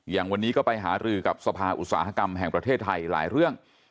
อย่างวันนี้ก็ไปหารือกับสภาอุตสาหกรรมแห่งประเทศไทยหลายเรื่อง